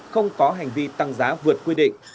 không có hành vi tăng giá vượt quy định